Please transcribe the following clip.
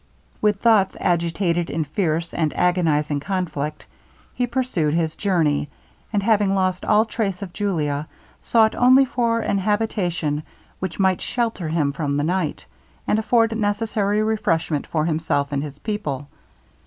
With thoughts agitated in fierce and agonizing conflict, he pursued his journey; and having lost all trace of Julia, sought only for an habitation which might shelter him from the night, and afford necessary refreshment for himself and his people.